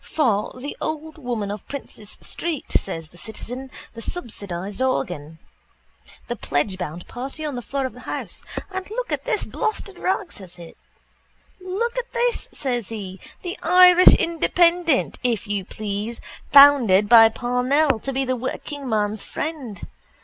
—For the old woman of Prince's street, says the citizen, the subsidised organ. The pledgebound party on the floor of the house. And look at this blasted rag, says he. Look at this, says he. The Irish Independent, if you please, founded by Parnell to be the workingman's friend.